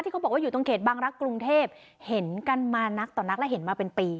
เขาบอกว่าอยู่ตรงเขตบางรักษ์กรุงเทพเห็นกันมานักต่อนักและเห็นมาเป็นปี